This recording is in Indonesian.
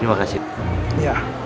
terima kasih pak